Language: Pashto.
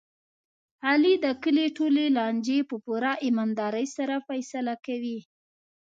علي د کلي ټولې لانجې په پوره ایماندارۍ سره فیصله کوي.